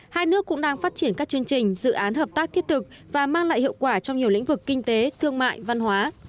hai nước cũng đang phát triển các chương trình dự án hợp tác thiết thực và mang lại hiệu quả trong nhiều lĩnh vực kinh tế thương mại văn hóa